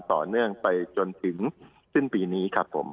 ต่อเนื่องไปจนถึงสิ้นปีนี้